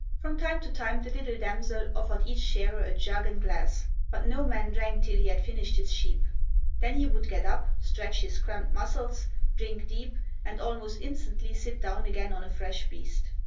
From time to time the little damsel offered each shearer a jug and glass, but no man drank till he had finished his sheep; then he would get up, stretch his cramped muscles, drink deep, and almost instantly sit down again on a fresh beast.